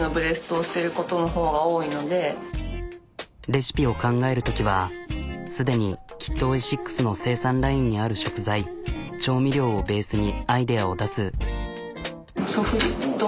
レシピを考えるときは既にＫｉｔＯｉｓｉｘの生産ラインにある食材調味料をベースにアイデアを出す。